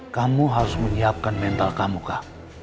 kamu harus menyiapkan mental kamu kak